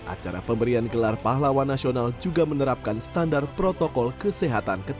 acara pemberian gelar pahlawan nasional juga menerapkan standar protokol kesehatan ketat